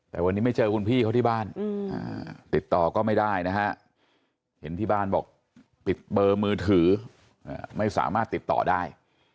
แต่วันนี้ไม่เจอคุณพี่เขาที่บ้านติดต่อก็ไม่ได้นะฮะเห็นที่บ้านบอกปิดเบอร์มือถือไม่สามารถติดต่อได้